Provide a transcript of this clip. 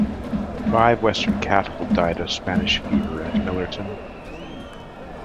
Five western cattle died of Spanish fever at Millerton